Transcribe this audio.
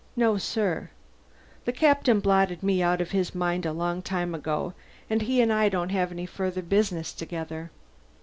No, sir. The Captain blotted me out of his mind a long time ago, and he and I don't have any further business together."